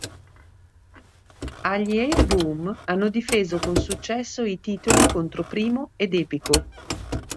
A gli Air Boom hanno difeso con successo i titoli contro Primo ed Epico.